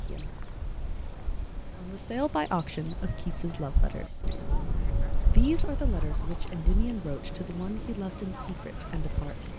Y Z On the Sale by Auction of Keats' Love Letters THESE are the letters which Endymion wrote To one he loved in secret, and apart.